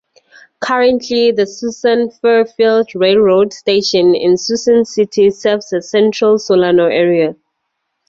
Currently, the Suisun-Fairfield railroad station in Suisun City serves the central Solano area.